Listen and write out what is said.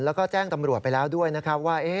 แล้วก็แจ้งตำรวจไปแล้วด้วยนะครับว่า